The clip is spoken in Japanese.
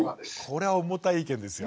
これは重たい意見ですよ。